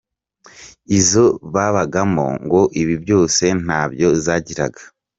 Izo babagamo ngo ibi byose ntabyo zagiraga.